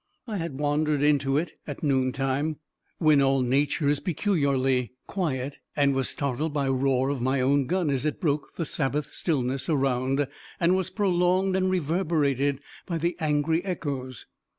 I had wandered into it at noon time, when all nature is peculiarly quiet, and was startled by roar of my own gun, as it broke the sabbath stillness around and was prolonged and reverberated by the angry echoes.